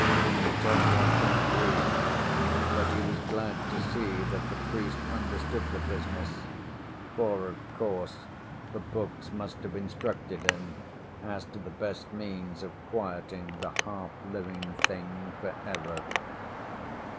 Antonio cannot read, but he was glad to see that the priest understood the business; for, of course, the books must have instructed him as to the best means of quieting the half living Thing for ever.